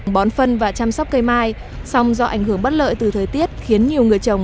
bón phân và chăm sóc cây mai song do ảnh hưởng bất lợi từ thời tiết khiến nhiều người trồng